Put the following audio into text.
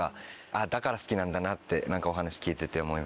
だから好きなんだなってお話聞いてて思いました。